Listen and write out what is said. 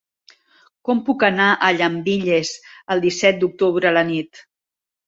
Com puc anar a Llambilles el disset d'octubre a la nit?